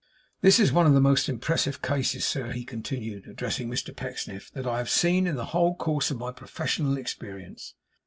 'This is one of the most impressive cases, sir,' he continued, addressing Mr Pecksniff, 'that I have seen in the whole course of my professional experience.